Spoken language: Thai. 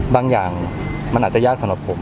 บางอย่างมันอาจจะยากสำหรับผม